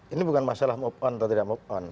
ini bukan masalah move on atau tidak move on